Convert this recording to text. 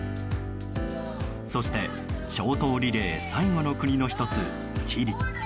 そして、消灯リレー最後の国の１つチリ。